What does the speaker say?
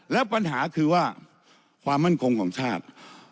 แล้วปัญหาคือว่าความมั่นคงของชาติ